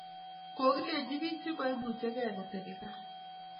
Kokilenjin bik chemaimuchikei kotebe gaa